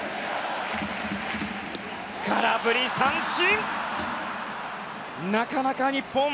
空振り三振！